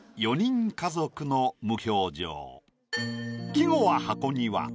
季語は「箱庭」。